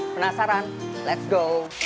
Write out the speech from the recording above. penasaran let's go